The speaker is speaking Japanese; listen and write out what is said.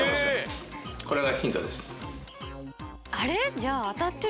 じゃあ当たってる！？